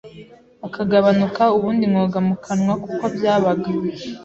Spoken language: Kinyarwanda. akagabanuka ubundi nkoga mu kanwa kuko byabaga